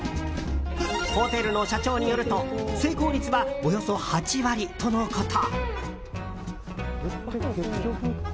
ホテルの社長によると成功率は、およそ８割とのこと。